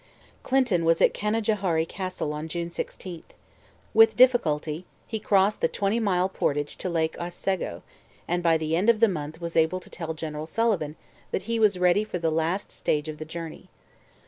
Clinton was at Canajoharie Castle on June 16. With difficulty he crossed the twenty mile portage to Lake Otsego, and by the end of the month was able to tell General Sullivan that he was ready for the last stage of the journey.